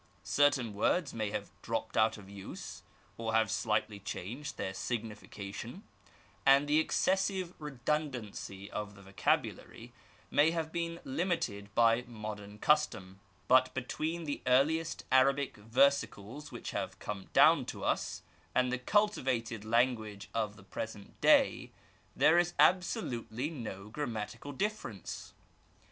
Certain words may have dropped out of use, or have slightly changed their signification, and the excessive redundancy of the vocabulary may have been limited by modem custom; but between the earliest Arabic versicles which have come down to us and the cultivated language of the present day, there is absolutely no grammatical difference.